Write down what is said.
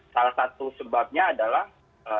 salah satu sebabnya adalah